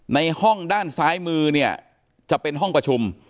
ในห้องด้านซ้ายมือเนี่ยจะเป็นห้องประชุม